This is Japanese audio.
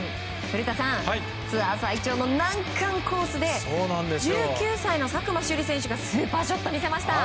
古田さん、ツアー最長の難関コースで１９歳の佐久間朱莉選手がスーパーショットを見せました。